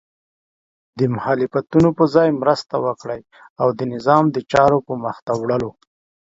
د مخالفتونو په ځای مرسته وکړئ او د نظام د چارو په مخته وړلو